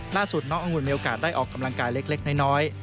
ล่าสุดน้ององุ่นมีโอกาสได้ออกกำลังกายเล็กน้อย